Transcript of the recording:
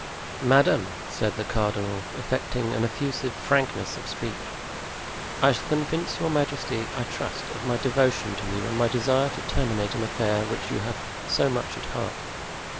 "Madame," said the cardinal, affecting an effusive frankness of speech, "I shall convince your majesty, I trust, of my devotion to you and my desire to terminate an affair which you have so much at heart.